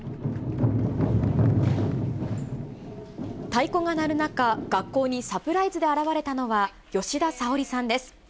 太鼓が鳴る中、学校にサプライズで現れたのは、吉田沙保里さんです。